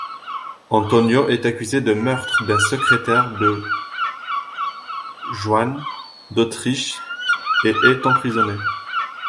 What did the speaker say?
Antonio est accusé du meurtre d'un secrétaire de Juan d'Autriche et est emprisonné.